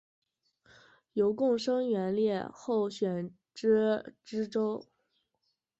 由贡生援例候选知州。